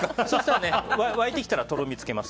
沸いてきたらとろみをつけます。